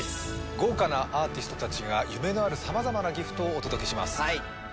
豪華なアーティストたちが夢のあるさまざまなギフトをお届けします。